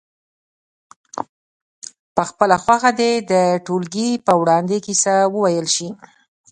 په خپله خوښه دې د ټولګي په وړاندې کیسه وویل شي.